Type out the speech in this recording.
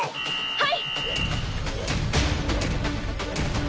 はい！